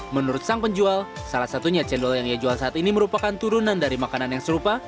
menurut sang penjual salah satunya cendol yang ia jual saat ini merupakan turunan dari makanan yang serupa